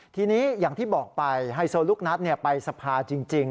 ทีนี้อย่างที่บอกไปไฮโซลูกนัดไปสภาจริง